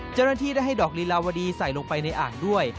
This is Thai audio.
เจ้าหน้าที่ได้ให้ดอกลีลาวดีใส่ลงไปในอ่างด้วย